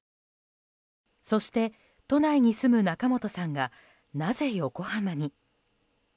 そして都内に住む仲本さんがなぜ横浜に？